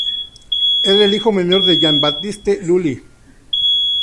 Era el hijo menor de Jean-Baptiste Lully.